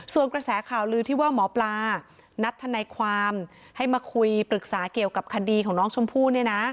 ส่วนกระแสข่าวลือที่ว่าหมอปลานัดทนายความให้มาคุยปรึกษาเกี่ยวกับคดีของน้องชมพู่เนี่ยนะ